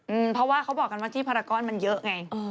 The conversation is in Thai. อืมเพราะว่าเขาบอกกันว่าที่ภารกรมันเยอะไง